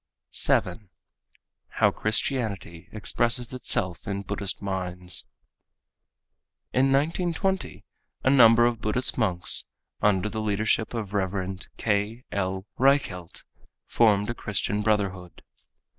7. How Christianity Expresses Itself in Buddhist Minds In 1920 a number of Buddhist monks, under the leadership of Rev. K. L. Reichelt formed a Christian brotherhood.